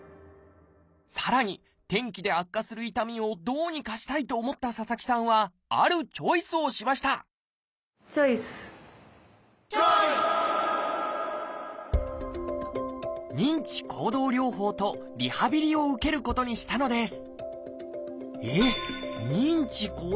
さらに天気で悪化する痛みをどうにかしたいと思った佐々木さんはあるチョイスをしましたチョイス！を受けることにしたのです